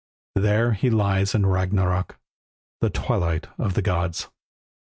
There he lies till Ragnarök (the twilight of the gods).